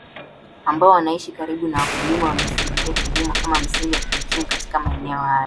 ambao wanaishi karibu na wakulima wameshughulikia kilimo kama msingi wa kujikimu Katika maeneo hayo